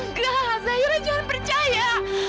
enggak zaira jangan percaya